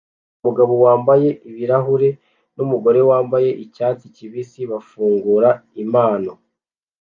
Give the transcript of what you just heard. Umugabo wambaye ibirahuri numugore wambaye icyatsi kibisi bafungura impano